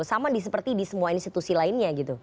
sama seperti di semua institusi lainnya gitu